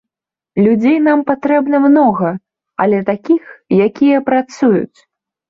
Людзей нам патрэбна многа, але такіх, якія працуюць.